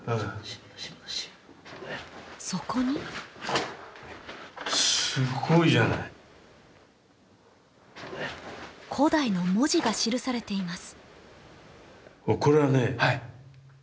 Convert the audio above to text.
そこに古代の文字が記されています